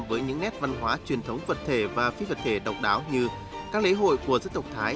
với những nét văn hóa truyền thống vật thể và phi vật thể độc đáo như các lễ hội của dân tộc thái